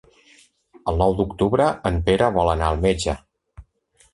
El nou d'octubre en Pere vol anar al metge.